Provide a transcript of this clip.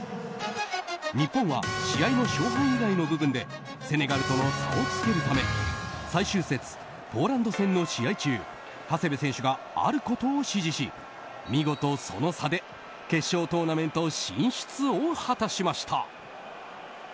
日本は試合の勝敗以外の部分でセネガルとの差をつけるため最終節、ポーランド戦の試合中長谷部選手があることを指示し見事、その差で決勝トーナメント進出を果たしました。